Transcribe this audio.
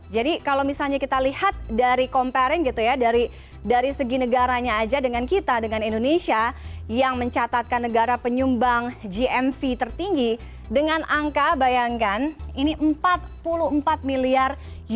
jadi kalau misalnya kita lihat dari comparing gitu ya dari segi negaranya aja dengan kita dengan indonesia yang mencatatkan negara penyumbang gmv tertinggi dengan angka bayangkan ini empat puluh empat miliar dolar